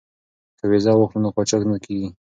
که ویزه واخلو نو قاچاق نه کیږو.